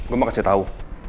gue mau kasih tau